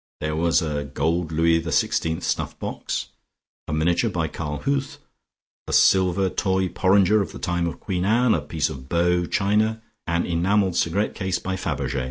There were a gold Louis XVI snuff box, a miniature by Karl Huth, a silver toy porringer of the time of Queen Anne, a piece of Bow china, an enamelled cigarette case by Faberge.